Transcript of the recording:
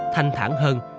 thanh thản hơn